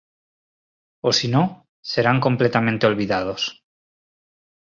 O si no, serán completamente olvidados".